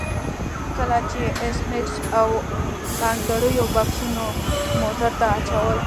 کله چې ایس میکس او انډریو بکسونه موټر ته اچول